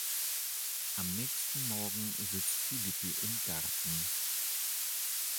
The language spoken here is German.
Am nächsten Morgen sitzt Philippe im Garten.